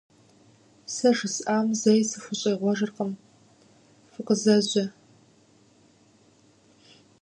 Сэ жысӀам зэи сыхущӀегъуэжыркъым, фыкъызэжьэ!